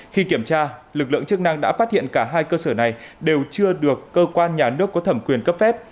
khi kiểm tra lực lượng chức năng đã phát hiện cả hai cơ sở này đều chưa được cơ quan nhà nước có thẩm quyền cấp phép